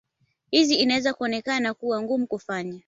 Hii inaweza ikaonekana kuwa ngumu kufanya